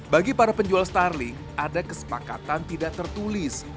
bagi para penjual starling ada kesepakatan tidak tertulis